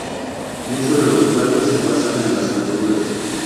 Muchos de los platos se basan en las verduras.